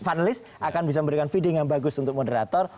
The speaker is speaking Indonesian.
panelis akan bisa memberikan feeding yang bagus untuk moderator